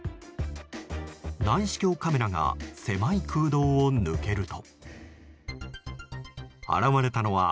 内視鏡カメラが狭い空洞を抜けると。